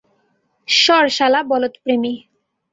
সর শালা বলদপ্রেমী।